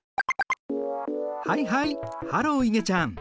はいはいハローいげちゃん。